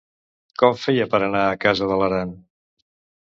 Com feia per anar a casa de l'Aran?